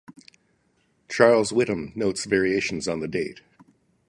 Charles Whitham notes variations on the date.